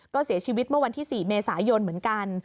ก็เสียชีวิตเมื่อวันที่๔เมษายนเหมือนกัน